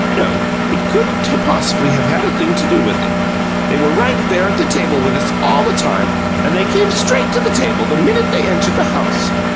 No; it couldn't possibly have had a thing to do with it. They were right there at the table with us all the time, and they came straight to the table the minute they entered the house.